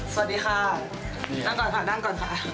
สวัสดีค่ะนั่งก่อนค่ะนั่งก่อนค่ะ